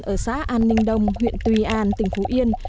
ở xã an ninh đông huyện tuy an tỉnh phú yên